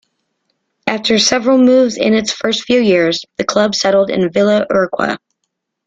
After several moves in its first few years, the club settled in Villa Urquiza.